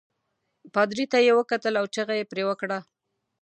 پادري ته یې وکتل او چغه يې پرې وکړل.